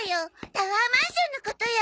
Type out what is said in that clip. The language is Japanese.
タワーマンションのことよ。